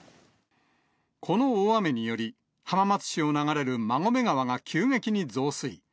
この大雨により、浜松市を流れる馬込川が急激に増水。